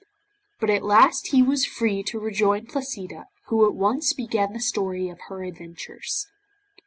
But at last he was free to rejoin Placida, who at once began the story of her adventures.